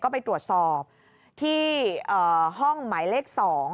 ก็ไปตรวจสอบที่ห้องหมายเลข๒